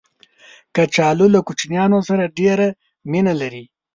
کچالو له کوچنیانو سره ډېر مینه لري